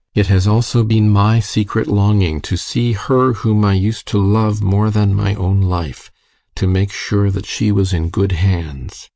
GUSTAV. It has also been my secret longing to see her whom I used to love more than my own life to make sure that she was in good hands.